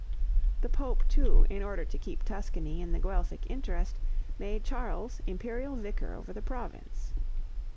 The pope, too, in order to keep Tuscany in the Guelphic interest, made Charles imperial vicar over the province.